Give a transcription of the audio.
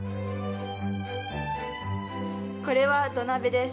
これは土鍋です。